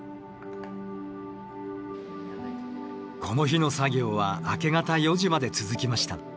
この日の作業は明け方４時まで続きました。